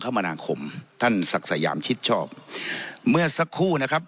มนาคมท่านศักดิ์สยามชิดชอบเมื่อสักครู่นะครับ